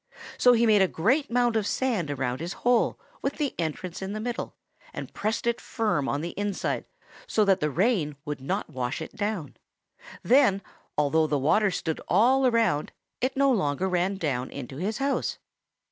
So he made a great mound of sand around his hole with the entrance in the middle and pressed it firm on the inside so that the rain would not wash it down in. Then, although the water stood all around, it no longer ran down in his house.